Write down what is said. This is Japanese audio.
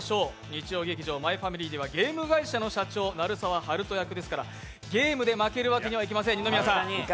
日曜劇場「マイファミリー」ではゲーム会社の社長、鳴沢温人役ですからゲームで負けるわけにはいかない。